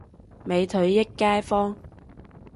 美腿益街坊